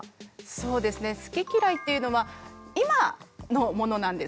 そうですね好き嫌いっていうのは「今」のものなんですよね。